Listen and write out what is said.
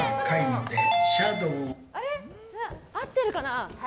合ってるかな。